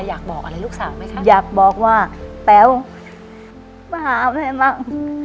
อยากบอกอะไรลูกสาวไหมคะอยากบอกว่าแต๋วมาหาแม่มั้ง